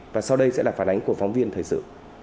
và sau đây sẽ là phản ánh của phóng viên thời sự